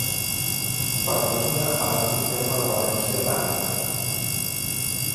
Pertanyia a l'antic terme de València d'Àneu.